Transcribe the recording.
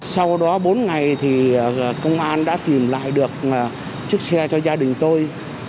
sau đó bốn ngày thì công an đã tìm lại được chiếc xe cho gia đình tôi